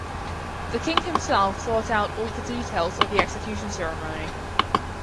The king himself thought out all the details of the execution ceremony.